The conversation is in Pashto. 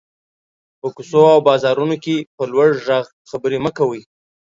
په کوڅو او بازارونو کې په لوړ غږ خبري مه کوٸ.